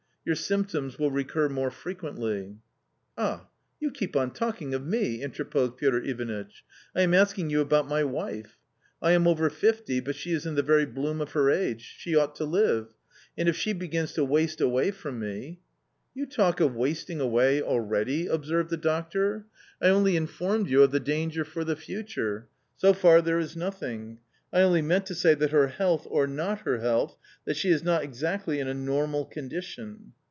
Your symptoms will recur more frequently." " Ah, you keep on talking of me !" interposed Piotr Ivanitch. " I am asking you about my wife. I am over fifty, but she is in the very bloom ot her age ; she ought to live : and if she begins to waste away from me "" You talk of wasting away already !" observed the doctor. " I only informed you of the danger for the future ; so far there is nothing I only meant to say that her health, or not her health, that she is not exactly in a normal condition."